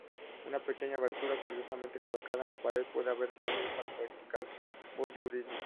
Una pequeña abertura curiosamente colocada en la pared pudo haber servido para practicar voyeurismo.